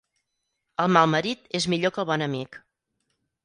El mal marit és millor que el bon amic.